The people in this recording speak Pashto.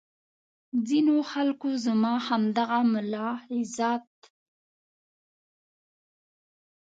ځینې خلکو زما همدغه ملاحظات.